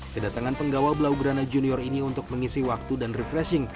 kedatangan penggawa blaugrana junior ini untuk mengisi waktu dan refreshing